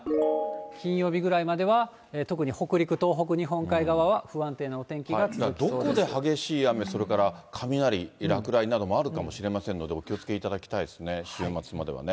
金曜日ぐらいまでは特に北陸、東北、日本海側は不安定なお天気がどこで激しい雨、それから雷、落雷などもあるかもしれませんので、お気をつけいただきたいですね、週末まではね。